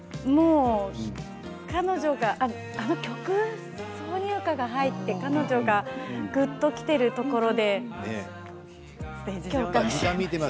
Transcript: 彼女があの曲挿入歌が入って彼女がぐっときているところで共感して。